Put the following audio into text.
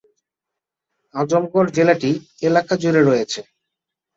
আজমগড় জেলাটি এলাকা জুড়ে রয়েছে।